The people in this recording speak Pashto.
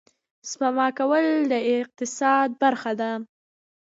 سپما کول د اقتصاد برخه ده